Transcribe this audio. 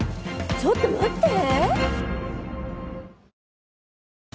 ちょっと待って！